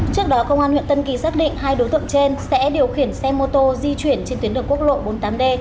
trước đó công an huyện tân kỳ xác định hai đối tượng trên sẽ điều khiển xe mô tô di chuyển trên tuyến đường quốc lộ bốn mươi tám d